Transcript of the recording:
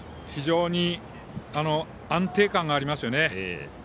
非常に安定感がありますよね。